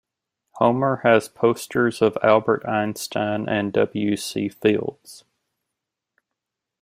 Homer has posters of Albert Einstein and W. C. Fields.